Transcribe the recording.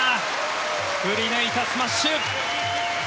振り抜いたスマッシュ！